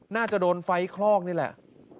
น่าจะโดนไฟคลอกนี่แหละ